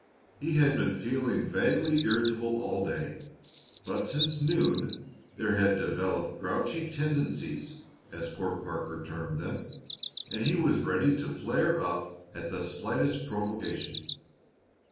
He had been feeling vaguely irritable all day, but since noon there had developed grouchy tendencies, as Court Parker termed them, and he was ready to flare up at the slightest provocation.